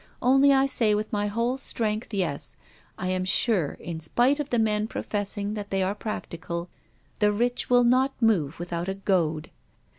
Only I say with my whole strength yes, I am sure, in spite of the men professing that they are practical, the rich will not move without a goad.